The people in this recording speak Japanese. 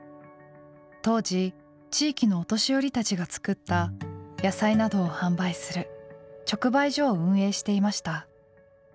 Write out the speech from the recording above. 当時地域のお年寄りたちが作った野菜などを販売する直売所を運営していました。